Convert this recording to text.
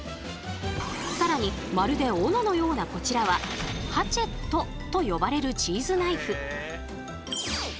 更にまるで斧のようなこちらは「ハチェット」と呼ばれるチーズナイフ。